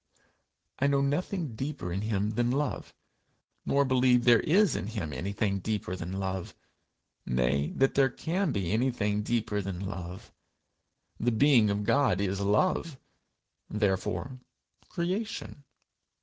I know nothing deeper in him than love, nor believe there is in him anything deeper than love nay, that there can be anything deeper than love. The being of God is love, therefore creation.